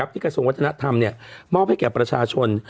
กระทรวงวัฒนธรรมมอบให้แก่ประชาชน